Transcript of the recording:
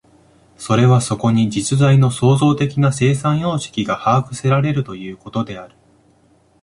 それはそこに実在の創造的な生産様式が把握せられるということである。